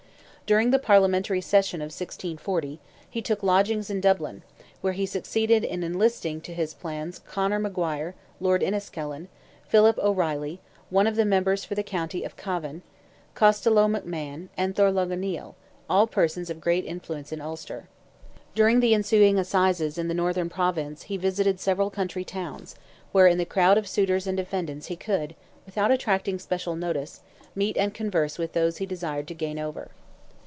During the Parliamentary session of 1640, he took lodgings in Dublin, where he succeeded in enlisting in his plans Conor Maguire, Lord Enniskillen, Philip O'Reilly, one of the members for the county of Cavan, Costelloe McMahon, and Thorlogh O'Neil, all persons of great influence in Ulster. During the ensuing assizes in the Northern Province he visited several country towns, where in the crowd of suitors and defendants he could, without attracting special notice, meet and converse with those he desired to gain over.